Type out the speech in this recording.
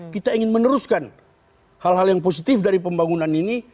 kita ingin meneruskan hal hal yang positif dari pembangunan ini